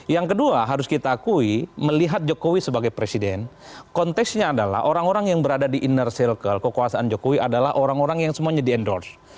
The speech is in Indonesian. yang kedua harus kita akui melihat jokowi sebagai presiden konteksnya adalah orang orang yang berada di inner circle kekuasaan jokowi adalah orang orang yang semuanya di endorse